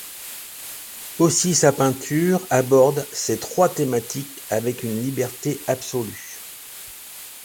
Aussi sa peinture aborde ces trois thématiques avec une liberté absolue.